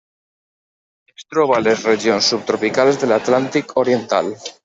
Es troba a les regions subtropicals de l'Atlàntic oriental.